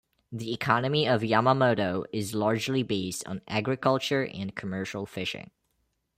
The economy of Yamamoto is largely based on agriculture and commercial fishing.